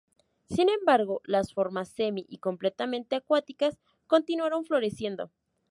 Sin embargo, las formas semi y completamente acuáticas continuaron floreciendo.